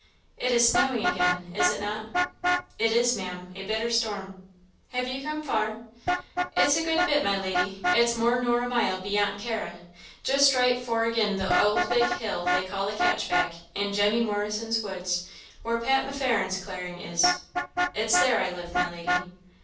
It is snowing again, is it not?" "It is, Maam a bitter storm." "Have you come far?" "It's a good bit, my lady it's more nor a mile beyant Carra just right forgin the ould big hill they call the Catchback; in Jemmy Morrison's woods where Pat M'Farren's clearing is it's there I live, my lady."